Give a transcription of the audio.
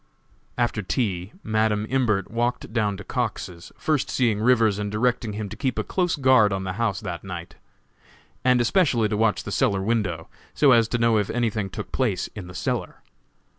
After tea, Madam Imbert walked down to Cox's, first seeing Rivers and directing him to keep a close guard on the house that night, and especially to watch the cellar window, so as to know if anything took place in the cellar.